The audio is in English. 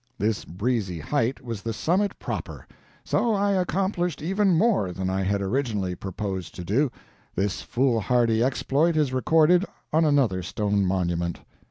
This breezy height was the summit proper so I accomplished even more than I had originally purposed to do. This foolhardy exploit is recorded on another stone monument.